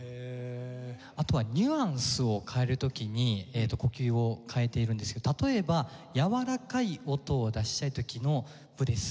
あとはニュアンスを変える時に呼吸を変えているんですけど例えばやわらかい音を出したい時のブレス。